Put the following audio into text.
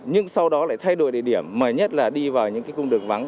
nhưng sau đó lại thay đổi địa điểm mà nhất là đi vào những cái cung đường vắng